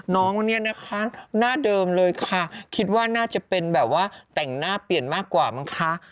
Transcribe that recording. น้องเนี่ยนะคะหน้าเดิมเลยค่ะคิดว่าน่าจะเป็นแบบว่าแต่งหน้าเปลี่ยนมากกว่ามั้งคะ